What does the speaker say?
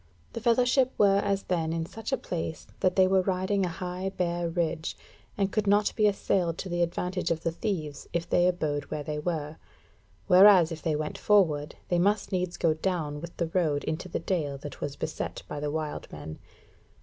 The fellowship were as then in such a place, that they were riding a high bare ridge, and could not be assailed to the advantage of the thieves if they abode where they were; whereas if they went forward, they must needs go down with the road into the dale that was beset by the wild men.